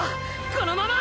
このまま！！